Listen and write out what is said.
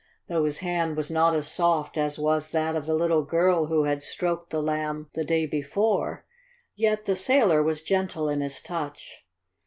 Though his hand was not as soft as was that of the little girl who had stroked the Lamb the day before, yet the sailor was gentle in his touch.